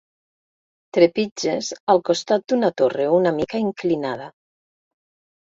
Trepitges al costat d'una torre una mica inclinada.